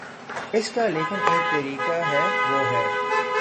اس کا لیکن ایک طریقہ ہے، وہ ہے۔